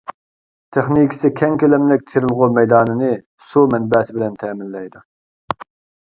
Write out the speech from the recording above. تېخنىكىسى كەڭ كۆلەملىك تېرىلغۇ مەيدانىنى سۇ مەنبەسى بىلەن تەمىنلەيدۇ.